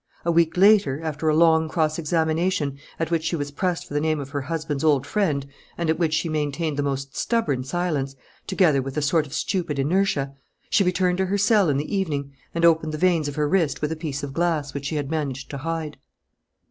A week later, after a long cross examination at which she was pressed for the name of her husband's old friend and at which she maintained the most stubborn silence, together with a sort of stupid inertia, she returned to her cell in the evening and opened the veins of her wrist with a piece of glass which she had managed to hide.